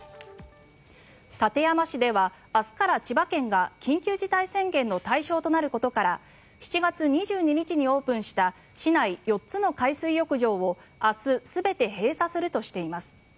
館山市では明日から千葉県が緊急事態宣言の対象となることから７月２２日にオープンした市内４つの海水浴場を明日全て閉鎖するとしています。